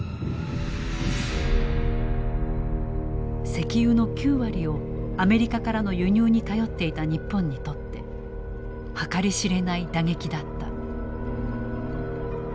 石油の９割をアメリカからの輸入に頼っていた日本にとって計り知れない打撃だった。